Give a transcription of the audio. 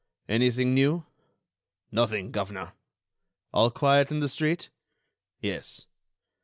"Anything new?" "Nothing, governor." "All quiet in the street?" "Yes."